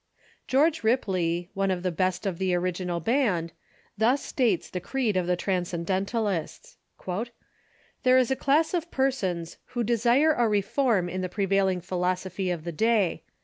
George Rii)ley, one of the best of the original band, thus states the creed of the Transcendentalists :" There is a class 5*76 THE CIIUKCH IN THE UNITED STATES of persons who desire a reform in the prevailing philosophy of the day.